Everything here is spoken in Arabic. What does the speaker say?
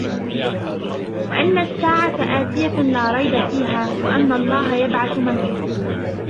وأن الساعة آتية لا ريب فيها وأن الله يبعث من في القبور